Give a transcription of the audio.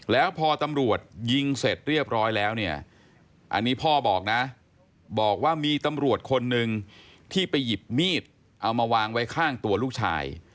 แล้วพอตำรวจยิงเสร็จเรียบร้อยแล้วเนี่ยอันนี้พ่อบอกนะบอกว่ามีตำรวจคนหนึ่งที่ไปหยิบมีดเอามาวางไว้ข้างตัวลูกชาย